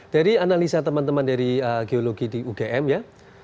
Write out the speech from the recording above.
dari analisa teman teman dari geologi di ugm ya